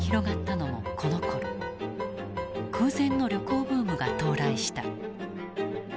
空前の旅行ブームが到来した。